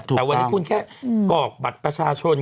แต่วันนี้คุณแค่กรอกบัตรประชาชน